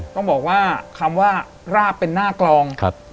ต้องบอกว่าคำว่าราบเป็นหน้ากลอง